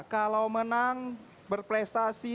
kalau menang berprestasi